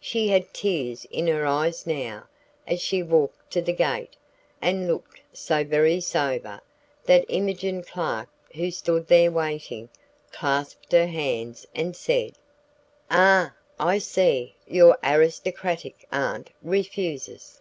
She had tears in her eyes now, as she walked to the gate, and looked so very sober, that Imogen Clark, who stood there waiting, clasped her hands and said: "Ah, I see! Your aristocratic Aunt refuses."